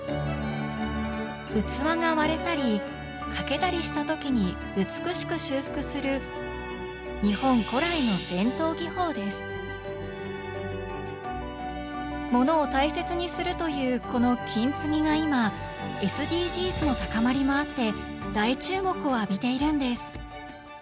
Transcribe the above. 器が割れたり欠けたりした時に美しく修復する物を大切にするというこの「金継ぎ」が今ＳＤＧｓの高まりもあって大注目を浴びているんです！